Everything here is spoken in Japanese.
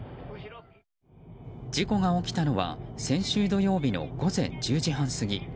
事故が起きたのは先週土曜日の午前１０時半過ぎ。